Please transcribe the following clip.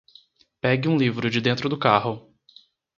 Pegue um livro de dentro do carro